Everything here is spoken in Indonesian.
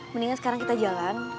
mendingan sekarang kita jalan